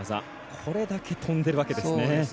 これだけ跳んでるわけですね。